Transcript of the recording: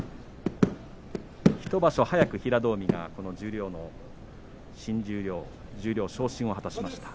１場所早く、平戸海が新十両、十両昇進を果たしました。